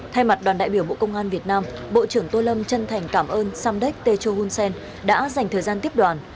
thay mặt đoàn đại biểu bộ công an việt nam bộ trưởng tô lâm chân thành cảm ơn samdek techo hunsen đã dành thời gian tiếp đoàn